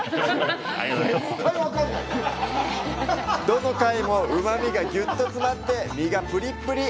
どの貝もうまみがギュッと詰まって、身がプリップリ！